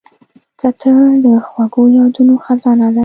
کتل د خوږو یادونو خزانه ده